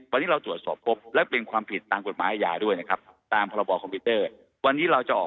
วันนี้เราตรวจสอบพบและเป็นความผิดตามกฎหมายยาด้วยนะครับตามภาระบอบคอมพิวเตอร์